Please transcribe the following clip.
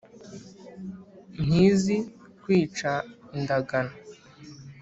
ntizi kwica indagano